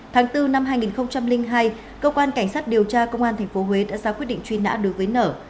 tháng bốn năm hai nghìn hai cơ quan cảnh sát điều tra công an tp huế đã ra quyết định truy nã đối với nở